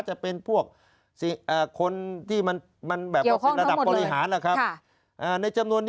จะเป็นพวกคนที่มันแบบระดับประวิธิฐาน